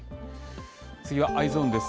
次はＥｙｅｓｏｎです。